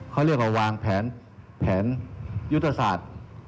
เขาเรียกว่าวางแผนยุทธศาสตร์